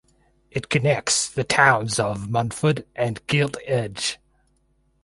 It connects the towns of Munford and Gilt Edge.